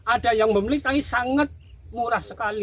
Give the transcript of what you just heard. ada yang membeli tapi sangat murah sekali